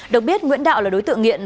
được biết nguyễn đạo là đối tượng nghiện